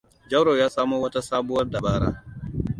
Jauro ya samo wata sabuwar dabara.